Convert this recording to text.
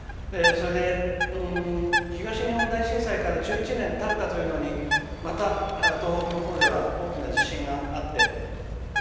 それと、東日本大震災から１１年たったというのにまた東北のほうでは大きな地震があって。